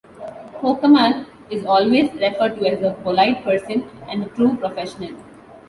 Kocaman is always referred to as a polite person and a true professional.